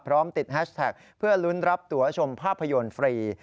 พร้อมติดแฮชแท็กเพื่อลุ้นรับตัวชมภาพยนตร์ฟรี